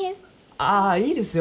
ああいいですよ